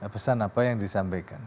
pesan apa yang disampaikan